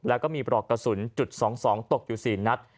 แล้วก็มีปลอกกระสุนจุด๒๒ตกอยู่๔นัด